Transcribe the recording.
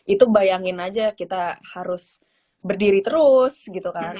itu bayangin aja kita harus berdiri terus gitu kan